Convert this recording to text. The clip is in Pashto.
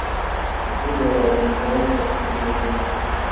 ده د وعدو ماتول اخلاقي کمزوري ګڼله.